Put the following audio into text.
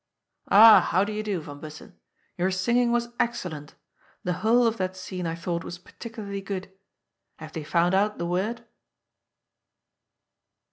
— Ah, how do you do, van Bussen ? Your singing was excellent. The whole of that scene, I thought, was particularly good. Have they found out the word